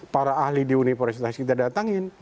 para ahli di universitas kita datangin